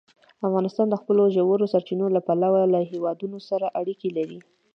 افغانستان د خپلو ژورو سرچینو له پلوه له هېوادونو سره اړیکې لري.